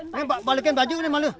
ini balikin baju ini malu